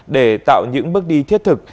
để tạo những bước đi thiết thực